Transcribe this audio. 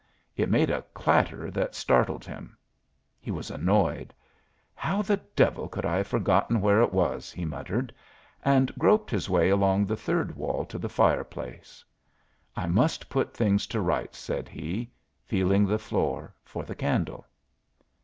It made a clatter that startled him. He was annoyed. "How the devil could I have forgotten where it was?" he muttered, and groped his way along the third wall to the fireplace. "I must put things to rights," said he, feeling the floor for the candle.